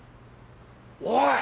「おい！